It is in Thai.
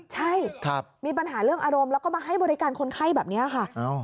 ใช่มีปัญหาเรื่องอารมณ์แล้วก็มาให้บริการคนไข้แบบนี้ค่ะ